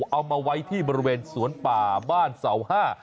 เอามาไว้ที่บริเวณสวนป่าบ้านเสาห้า